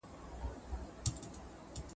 له دې شاړو وچو مځکو بیا غاټول را زرغونیږي ,